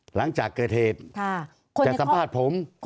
หลังจากเกิดเหตุจะสัมภาษณ์ผม